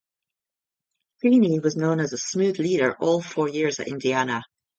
Cheaney was known as a smooth leader all four years at Indiana.